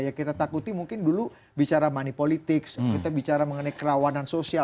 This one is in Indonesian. ya kita takuti mungkin dulu bicara money politics kita bicara mengenai kerawanan sosial